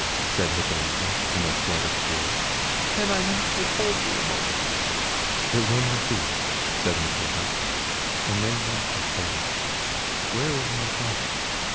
said Hippolita in a flood of tears, "can I not withhold thee a moment?" "It will not be," said Matilda; "commend me to heaven—Where is my father?